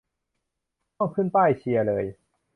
ต้องขึ้นป้ายเชียร์เลย